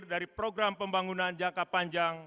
dari program pembangunan jangka panjang